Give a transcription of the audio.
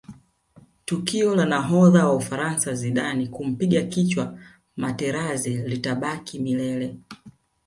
tukio la nahodha wa ufaransa zidane kumpiga kichwa materazi litabaki milele